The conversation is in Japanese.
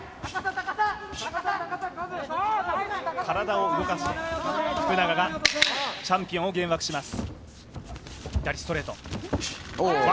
体を動かして福永がチャンピオンを幻惑します。